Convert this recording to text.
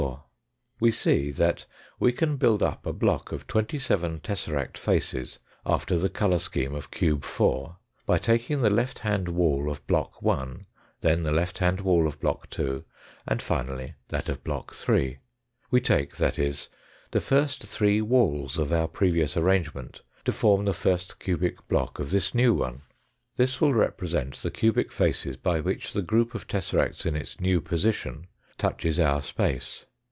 We see that we can build up a block of twenty seven tesseract faces after the colour scheme of cube 4, by taking the left hand wall of block 1, then the left hand wall of block 2, and finally that of block 3. We take, that is, the three first walls of our previous arrangement to form the first cubic block of this new one. This will represent the cubic faces by which the group of tesseracts in its new position touches our space.